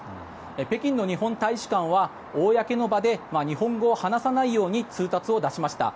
北京の日本大使館は公の場で日本語を話さないように通達を出しました。